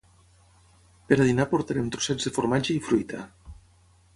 Per dinar portarem trossets de formatge i fruita.